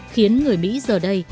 khiến người mỹ giờ đây